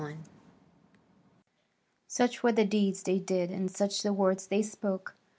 1] Such were the deeds they did and such the words they spoke.